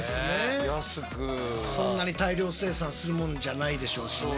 そんなに大量生産するもんじゃないでしょうしね。